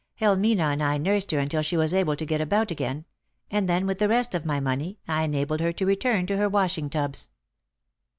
Helmina and I nursed her until she was able to get about again, and then, with the rest of my money, I enabled her to return to her washing tubs."